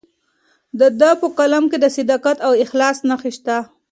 د ده په کلام کې د صداقت او اخلاص نښې شته.